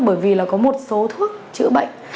bởi vì có một số thuốc chữa bệnh